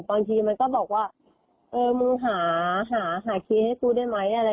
บางทีมันก็บอกว่าเออมึงหาเครียร์ให้กูได้ไหมอะไรอย่างนี้